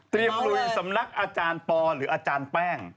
เตรียมฝึดสำนักอาจารย์โปร์หรืออาจารย์แป้ง